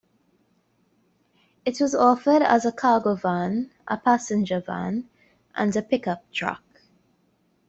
It was offered as a cargo van, a passenger van, and a pickup truck.